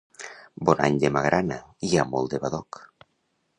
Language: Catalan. Bon any de magrana! Hi ha molt de badoc!